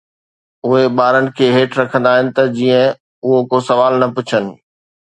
اهي ٻارن کي هيٺ رکندا آهن ته جيئن اهي ڪو سوال نه پڇن.